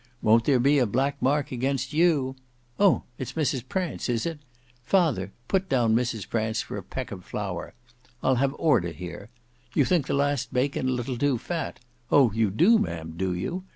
Won't there be a black mark against you? Oh! its Mrs Prance, is it? Father, put down Mrs Prance for a peck of flour. I'll have order here. You think the last bacon a little too fat: oh! you do, ma'am, do you?